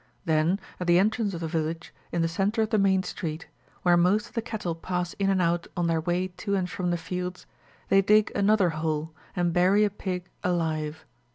Then, at the entrance of the village, in the centre of the main street, where most of the cattle pass in and out on their way to and from the fields, they dig another hole, and bury a pig alive."